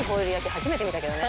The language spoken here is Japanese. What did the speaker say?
初めて見たけどね。